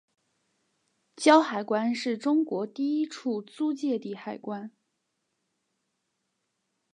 胶海关是中国第一处租借地海关。